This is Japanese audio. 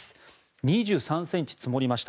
２３ｃｍ積もりました。